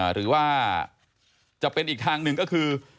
หรือว่าจะเป็นอีกทางหนึ่งก็คือ